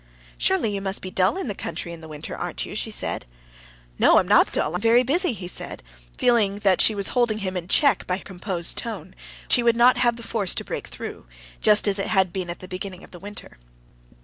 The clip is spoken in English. "Surely you must be dull in the country in the winter, aren't you?" she said. "No, I'm not dull, I am very busy," he said, feeling that she was holding him in check by her composed tone, which he would not have the force to break through, just as it had been at the beginning of the winter.